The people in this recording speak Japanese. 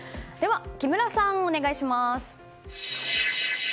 木村さん、お願いします！